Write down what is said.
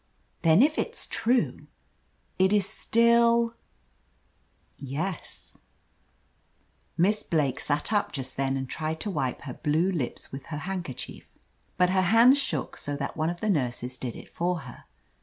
"Then, if it's true, it is still —?" OF LETITIA CARBERRY "Yes/' Miss Blake sat up just then and tried to wipe her blue lips with her handkerchief, but her hands shook so that one of the nurses did it for her.